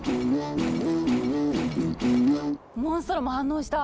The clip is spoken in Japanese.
モンストロも反応した！